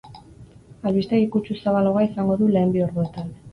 Albistegi kutsu zabalagoa izango du lehen bi orduetan.